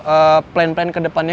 agak beramal nephew go